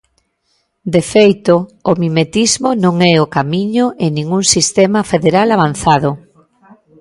De feito, o mimetismo non é o camiño en ningún sistema federal avanzado.